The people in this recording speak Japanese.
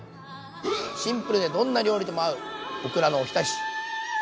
シンプルでどんな料理とも合うオクラのおひたし。